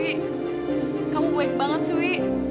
i kamu baik banget sih i